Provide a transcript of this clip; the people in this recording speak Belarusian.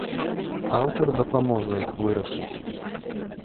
Аўтар дапаможа іх вырашыць.